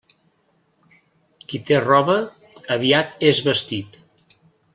Qui té roba, aviat és vestit.